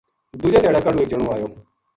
دوجے دیہاڑے کاہڈو ایک جنو آیو